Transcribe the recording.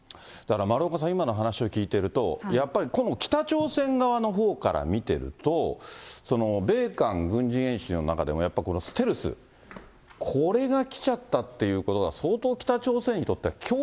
丸岡さん、今の話を聞いていると、やっぱり北朝鮮側のほうから見てると、米韓軍事演習の中でもやっぱりステルス、これがきちゃったってことが、そうですね。